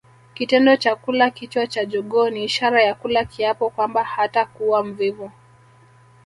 Kitendo cha kula kichwa cha jogoo ni ishara ya kula kiapo kwamba hatakuwa mvivu